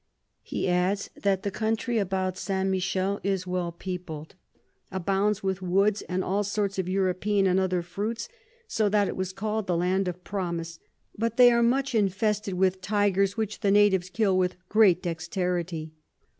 He adds, that the Country about St. Michael is well peopled, abounds with Woods, and all sorts of European and other Fruits, so that it was call'd The Land of Promise; but they are much infested with Tygers, which the Natives kill with great dexterity.